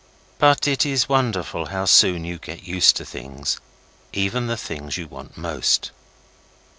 But it is wonderful how soon you get used to things, even the things you want most.